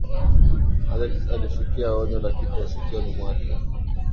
alex alisikia onyo la kifo sikioni mwake